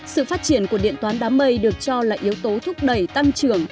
sự phát triển của điện toán đám mây được cho là yếu tố thúc đẩy tăng trưởng